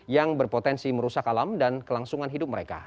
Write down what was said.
yang berpotensi merusak alam dan kelangsungan hidup mereka